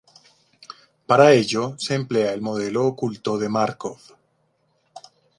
Para ello, se emplea el Modelo oculto de Márkov.